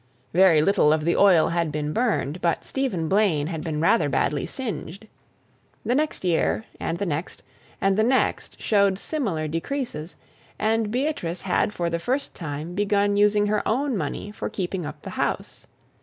Very little of the oil had been burned, but Stephen Blaine had been rather badly singed. The next year and the next and the next showed similar decreases, and Beatrice had for the first time begun using her own money for keeping up the house.